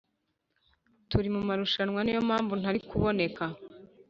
Turi mumarushanwa niyo mpamvu ntari kuboneka